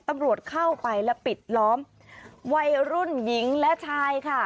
ตำรวจเข้าไปและปิดล้อมวัยรุ่นหญิงและชายค่ะ